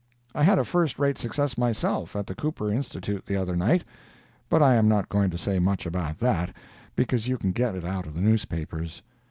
I had a first rate success myself at the Cooper Institute the other night, but I am not going to say much about that, because you can get it out of the newspapers.